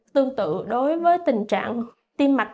tương tự đối với tình trạng tim mạch